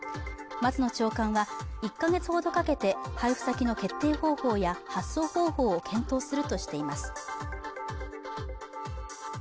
松野長官は１か月ほどかけて配布先の決定方法や発送方法を検討するとしています